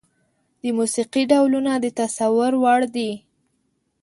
د موسيقي ډولونه د تصور وړ دي.